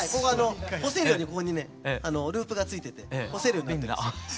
干せるようにここにねループがついてて干せるようになってます。